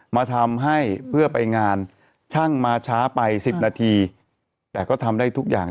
มาทำให้เพื่อไปงานช่างมาช้าไปสิบนาทีแต่ก็ทำได้ทุกอย่าง